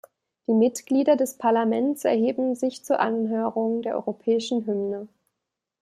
Die Mitglieder des Parlaments erheben sich zur Anhörung der Europäischen Hymne.